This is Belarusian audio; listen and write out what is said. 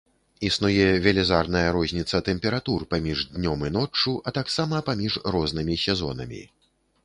Існуе велізарная розніца тэмператур паміж днём і ноччу, а таксама паміж рознымі сезонамі.